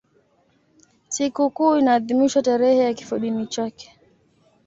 Sikukuu inaadhimishwa tarehe ya kifodini chake.